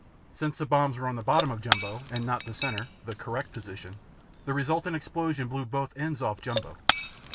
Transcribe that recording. Since the bombs were on the bottom of Jumbo, and not the center (the correct position), the resultant explosion blew both ends off Jumbo.